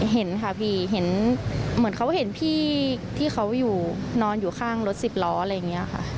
เห็นค่ะพี่เห็นเหมือนเขาเห็นพี่ที่เขาอยู่นอนอยู่ข้างรถสิบล้ออะไรอย่างนี้ค่ะ